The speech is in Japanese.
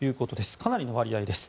かなりの割合です。